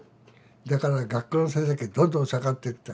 だから学校の成績はどんどん下がっていった。